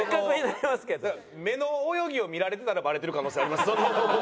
いや目の泳ぎを見られてたらバレてる可能性はあります。